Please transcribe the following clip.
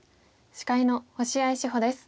司会の星合志保です。